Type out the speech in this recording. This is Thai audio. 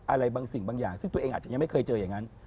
อะไรบางสิ่งบางอย่างซึ่งตัวเองอาจจะยังไม่เคยเจออย่างนั้น